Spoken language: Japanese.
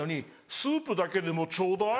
スープだけでもちょうだい。